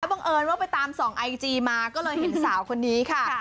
บังเอิญว่าไปตามส่องไอจีมาก็เลยเห็นสาวคนนี้ค่ะ